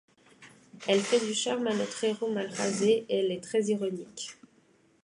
Elle fait du charme à notre héros mal rasé et elle est très ironique.